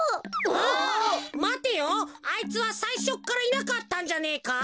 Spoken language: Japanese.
あいつはさいしょからいなかったんじゃねえか？